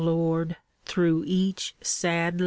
Lord, through each sad land.